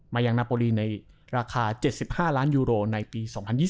ยังนาโปรีในราคา๗๕ล้านยูโรในปี๒๐๒๐